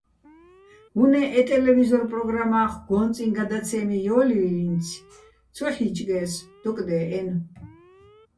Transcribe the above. უ̂ნე́ ე ტელევიზორ პროგრამა́ხ გო́ნწიჼ გადაცემი ჲო́ლჲიინცი̆, ცო ჰ̦იჭგე́ს დოკდე́ჸენო̆.